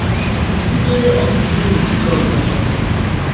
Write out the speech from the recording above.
tinyere ọtụtụ uru ndị ọzọ